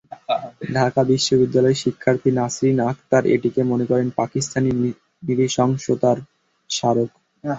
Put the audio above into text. ঢাকা বিশ্ববিদ্যালয়ের শিক্ষার্থী নাসরিন আকতার এটিকে মনে করেন পাকিস্তানি নৃশংসতার স্মারক।